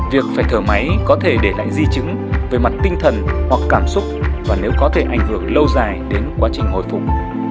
việc phải thở máy có thể để lại di chứng về mặt tinh thần hoặc cảm xúc và nếu có thể ảnh hưởng lâu dài đến quá trình hồi phục